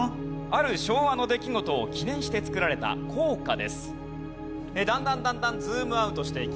ある昭和の出来事を記念してつくられた硬貨。